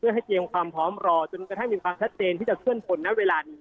ให้เตรียมความพร้อมรอจนกระทั่งมีความชัดเจนที่จะเคลื่อนพลณเวลานี้